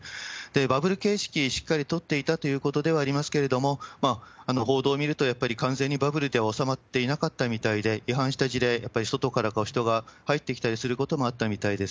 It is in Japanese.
バブル形式、しっかり取っていたということではありますけれども、報道見ると、やっぱり完全にバブルで収まっていなかったみたいで、違反した事例、やっぱり外から人が入ってきたりすることもあったみたいです。